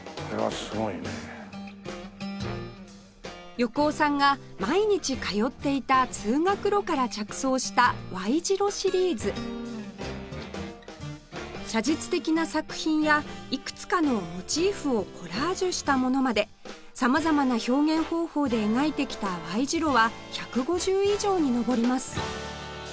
横尾さんが毎日通っていた通学路から着想した『Ｙ 字路』シリーズ写実的な作品やいくつかのモチーフをコラージュしたものまで様々な表現方法で描いてきた Ｙ 字路は１５０以上にのぼります